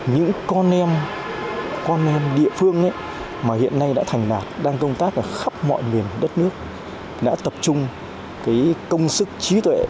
những con em địa phương mà hiện nay đã thành đạt đang công tác ở khắp mọi nguyên đất nước đã tập trung công sức trí tuệ